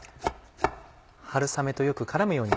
春雨とよく絡むように。